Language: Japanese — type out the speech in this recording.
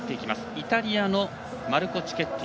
イタリアのマルコ・チケッティ。